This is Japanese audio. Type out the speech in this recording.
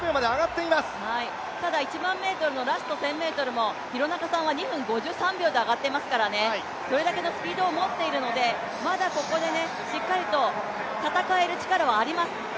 １００００ｍのラスト１００も廣中さんは２３秒台で走っていますから、それだけのスピードを持っているのでまだここでしっかりと戦える力はあります。